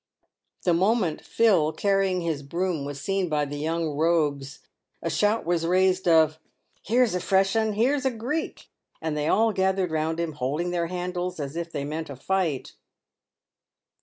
The moment Phil, carrying his broom, was seen by the young rogues, a shout was raised of " Here's afresh 'un ! here's a Greek !" and they all gathered round him, holding their handles as if they meant a fight.